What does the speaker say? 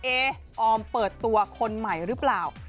ออมเปิดตัวคนใหม่หรือเปล่า